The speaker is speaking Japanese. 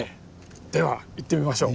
では行ってみましょう。